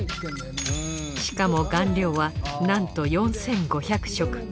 しかも顔料はなんと４，５００色。